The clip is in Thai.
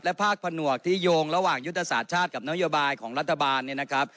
ภาคผนวกที่โยงระหว่างยุทธศาสตร์ชาติกับนโยบายของรัฐบาลเนี่ยนะครับ